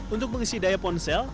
untuk mengisi daya ponsel